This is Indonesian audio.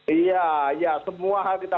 iya semua hal kita